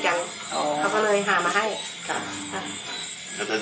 จังหวังสนิทกันอ๋อเขาก็เลยหามาให้ครับ